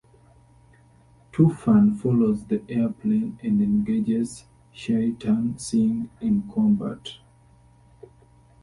Toofan follows the airplane and engages Shaitan Singh in combat.